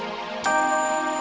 ya so tahan keluar